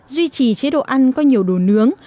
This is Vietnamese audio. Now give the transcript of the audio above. duy trì chế độ ăn có nhiều đồ nướng